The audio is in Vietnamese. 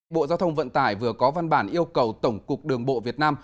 bộ giao thông vận tải vừa có văn bản yêu cầu tổng cục đường bộ việt nam